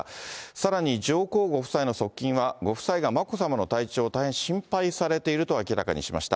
さらに上皇ご夫妻の側近は、ご夫妻が眞子さまの体調を非常に心配されていると明らかにしました。